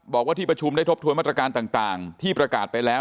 บอกว่าที่ประชุมได้ทบทวนมาตรการต่างที่ประกาศไปแล้ว